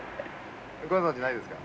ご存じないですか？